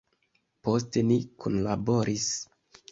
Poste ni kunlaboris.